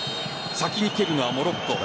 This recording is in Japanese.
先に蹴るのはモロッコ。